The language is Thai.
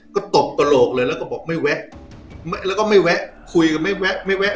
ก็ตบกระโหลกเลยแล้วก็บอกไม่แวะแล้วก็ไม่แวะคุยกันไม่แวะไม่แวะ